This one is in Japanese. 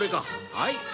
はい。